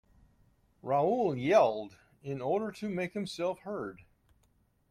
Raoul yelled, in order to make himself heard.